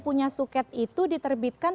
punya suket itu diterbitkan